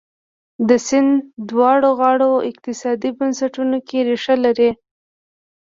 د سیند دواړو غاړو اقتصادي بنسټونو کې ریښه لري.